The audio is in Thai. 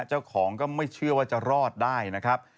เจ้าของก็ไม่เชื่อว่าจะรอดได้นะครับ